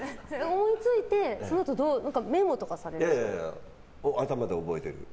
思いついてそのあとメモとかされるんですか？